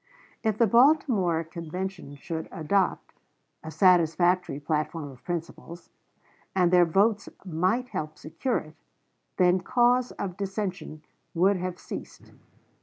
If the Baltimore Convention should adopt "a satisfactory platform of principles," and their votes might help secure it, then cause of dissension would have ceased.